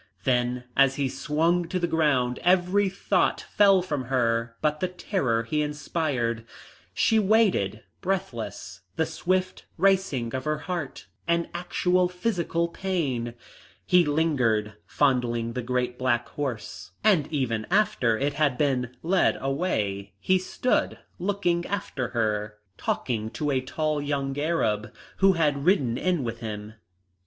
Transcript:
Then as he swung to the ground every thought fell from her but the terror he inspired. She waited, breathless, the swift racing of her heart an actual physical pain. He lingered, fondling the great black horse, and even after it had been led away he stood looking after it, talking to a tall young Arab who had ridden in with him.